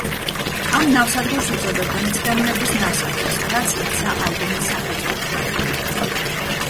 ამ ნავსადგურს უწოდებდნენ „ცრემლების ნავსადგურს“, რაც იქცა ალბომის სახელწოდებად.